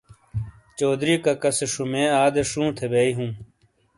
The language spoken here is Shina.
چوہدری کاکا سے شمۓ ادے شووں تھے بیۓ ہوں۔